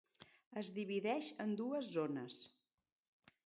Es divideix en dues zones.